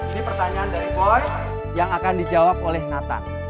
ini pertanyaan dari forei yang akan dijawab oleh nathan